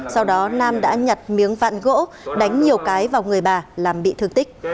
sau đó nam đã nhặt miếng vạn gỗ đánh nhiều cái vào người bà làm bị thương tích